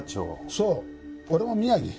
そう俺も宮城。